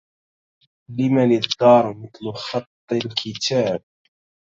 لمن الدار مثل خط الكتاب